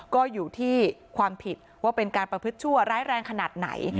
ก็อยู่ที่ความผิดว่าเป็นการประพฤติชั่วร้ายแรงขนาดไหน